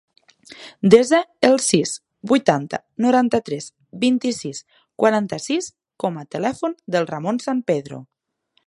Desa el sis, vuitanta, noranta-tres, vint-i-sis, quaranta-sis com a telèfon del Ramon San Pedro.